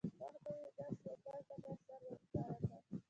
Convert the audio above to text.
خوښ به یې نه شو بل ته به سر ور ښکاره کړ.